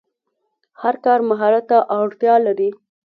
هر کار مهارت ته اړتیا لري.